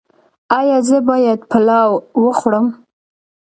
ایا زه باید پلاو وخورم؟